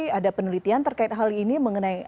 apakah ada penelitian terkait hal ini mengenai adanya